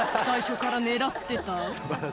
最初から狙ってた？